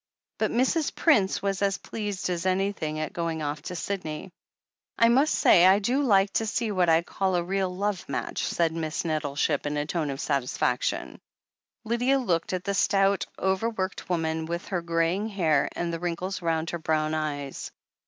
But Mrs. Prince was as pleased as any thing at going off to Sydney. I must say, I do like to see what I call a real love match," said Miss Nettleship in a tone of satisfaction. Lydia looked at the stout, overworked woman, with her greying hair and the wrinkles round her brown eyes.